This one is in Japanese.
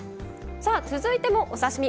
続いても、お刺身。